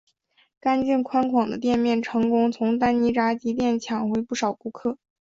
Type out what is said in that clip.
干净宽广的店面成功从丹尼炸鸡店抢回不少顾客。